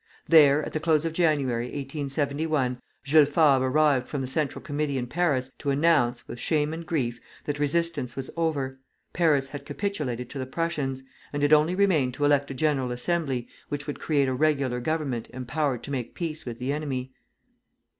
There, at the close of January, 1871, Jules Favre arrived from the Central Committee in Paris to announce, with shame and grief, that resistance was over: Paris had capitulated to the Prussians; and it only remained to elect a General Assembly which should create a regular government empowered to make peace with the enemy.